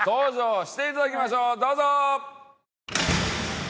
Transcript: どうぞ！